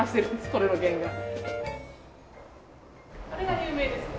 あれが有名ですね